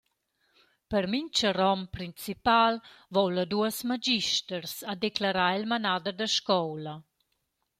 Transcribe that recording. «Per mincha rom principal voula duos magisters», ha declerà il manader da scoula.